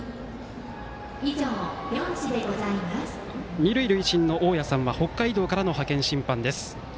二塁塁審の大矢さんは北海道からの派遣審判です。